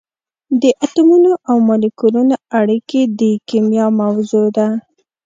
د اتمونو او مالیکولونو اړیکې د کېمیا موضوع ده.